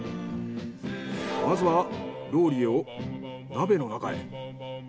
まずはローリエを鍋の中へ。